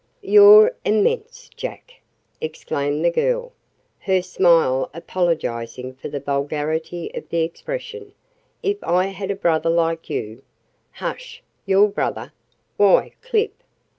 "You're 'immense,' Jack!" exclaimed the girl, her smile apologizing for the vulgarity of the expression. "If I had a brother like you " "Hush! Your brother! Why, Clip!"